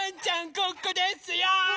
ここですよ！